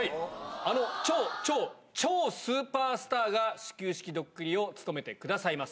あの超超超スーパースターが始球式ドッキリを務めてくださいます。